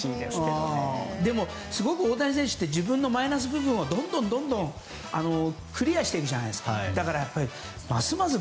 でも、すごく大谷選手って自分のマイナス部分をクリアしていくからまずます